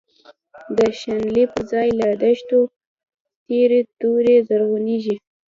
د شنلی پر ځای له دښتو، تیری توری زرغونیږی